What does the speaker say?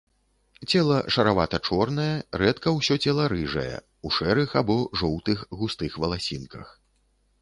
Цела шаравата-чорнае, рэдка ўсё цела рыжае, у шэрых або жоўтых густых валасінках.